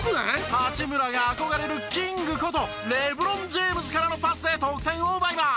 八村が憧れるキングことレブロン・ジェームズからのパスで得点を奪います。